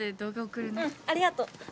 うんありがとう。